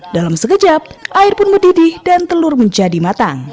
dalam sekejap air pun mendidih dan telur menjadi matang